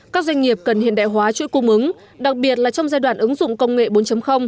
các doanh nghiệp cần hiện đại hóa chuỗi cung ứng đặc biệt là trong giai đoạn ứng dụng công nghệ bốn